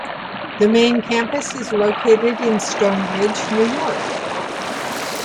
The main campus is located in Stone Ridge, New York.